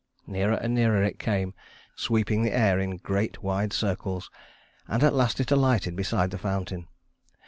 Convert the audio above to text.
Nearer and nearer it came, sweeping the air in great wide circles, and at last it alighted beside the fountain.